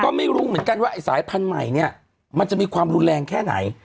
ก็ไม่รู้เหมือนกันว่าไอ้สายพันธุ์ใหม่เนี่ยมันจะมีความรุนแรงแค่ไหน